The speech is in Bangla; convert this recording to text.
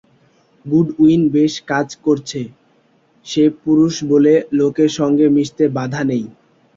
গুডউইন বেশ কাজ করছে, সে পুরুষ বলে লোকের সঙ্গে মিশতে বাধা নেই।